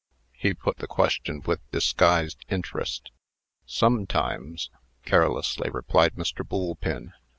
He put the question with disguised interest. "Sometimes," carelessly replied Mr. Boolpin.